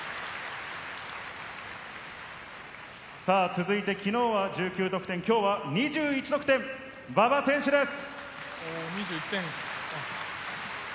続いて昨日は１９得点、今日は２１得点、馬場選手です。